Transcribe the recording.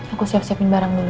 aku siap siapin barang dulu